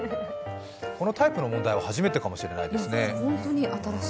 このタイプの問題は初めてかもしれませんね。